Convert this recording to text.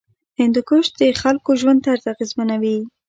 هندوکش د خلکو ژوند طرز اغېزمنوي.